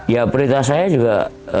ya berita saya juga